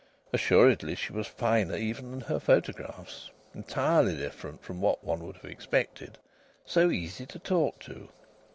Assuredly she was finer even than her photographs. Entirely different from what one would have expected! So easy to talk to!